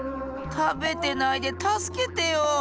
たべてないでたすけてよ。